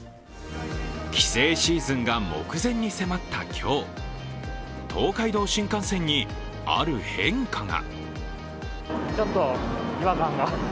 帰省シーズンが目前に迫った今日、東海道新幹線にある変化が。